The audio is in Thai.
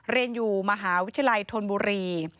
เรียนอยู่มหาวิทยาลัยธนบุรี